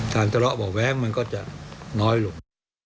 สารตลอบอแว้งมันก็จะน้อยลง